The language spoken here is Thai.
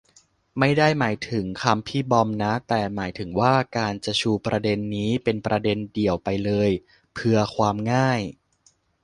ไม่ได้หมายถึงคำพี่บอมนะ แต่หมายถึงว่า การจะชูประเด็นนี้เป็นประเด็นเดี่ยวไปเลย เพือความง่าย